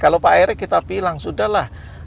kalau pak erick kita bilang sudah lah